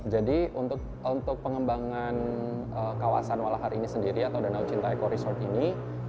jadi untuk pengembangan kawasan walahar ini sendiri atau danau cinta eco resort ini